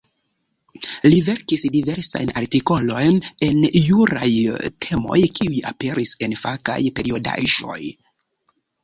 Li verkis diversajn artikolojn en juraj temoj, kiuj aperis en fakaj periodaĵoj.